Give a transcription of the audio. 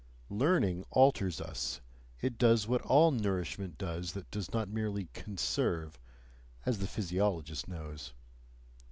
Learning alters us, it does what all nourishment does that does not merely "conserve" as the physiologist knows.